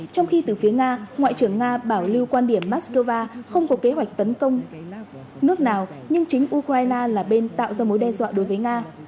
trong khi từ phía nga ngoại trưởng nga bảo lưu quan điểm moscow không có kế hoạch tấn công nước nào nhưng chính ukraine là bên tạo ra mối đe dọa đối với nga